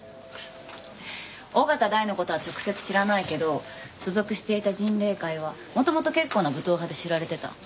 緒方大の事は直接知らないけど所属していた迅嶺会は元々結構な武闘派で知られてた。